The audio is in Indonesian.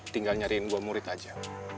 tinggal nyariin dua murid aja